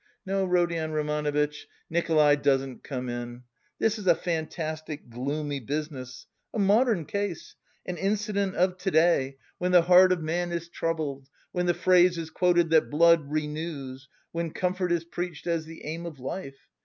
"No, Rodion Romanovitch, Nikolay doesn't come in! This is a fantastic, gloomy business, a modern case, an incident of to day when the heart of man is troubled, when the phrase is quoted that blood 'renews,' when comfort is preached as the aim of life.